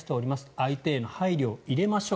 相手への配慮を入れましょう。